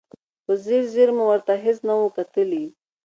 په ځیر ځیر مو ورته هېڅ نه و کتلي.